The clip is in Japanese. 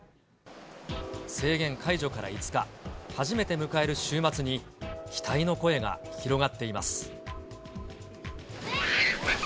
制限解除から５日、初めて迎える週末に、期待の声が広がっています。